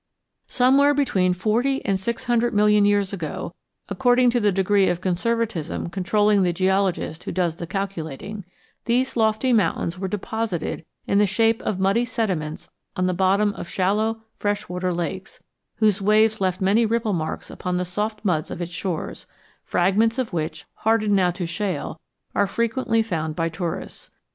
Somewhere between forty and six hundred million years ago, according to the degree of conservatism controlling the geologist who does the calculating, these lofty mountains were deposited in the shape of muddy sediments on the bottom of shallow fresh water lakes, whose waves left many ripple marks upon the soft muds of its shores, fragments of which, hardened now to shale, are frequently found by tourists.